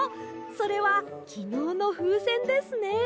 それはきのうのふうせんですね。